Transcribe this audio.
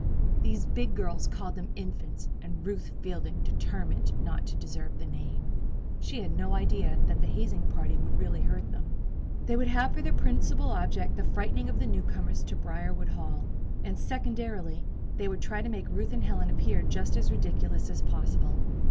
These big girls called them "Infants," and Ruth Fielding determined not to deserve the name. She had no idea that the hazing party would really hurt them; they would have for their principal object the frightening of the new comers to Briarwood Hall; and, secondarily, they would try to make Ruth and Helen appear just as ridiculous as possible.